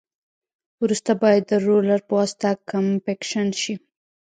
وروسته باید د رولر په واسطه کمپکشن شي